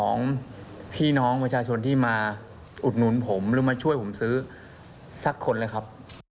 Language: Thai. ของพี่น้องประชาชนที่มาอุดหนุนผมหรือมาช่วยผมซื้อสักคนเลยครับ